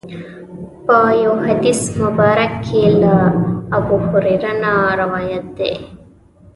په یو حدیث مبارک کې له ابوهریره نه روایت دی.